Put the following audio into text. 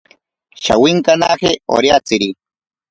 Shawinkanaje oriatsiri.